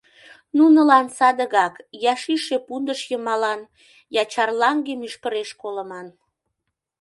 Нунылан садыгак – я шӱйшӧ пундыш йымалан, я чарлаҥге мӱшкыреш колыман.